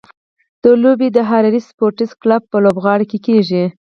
دا لوبې به د هراري سپورټس کلب په لوبغالي کې کېږي.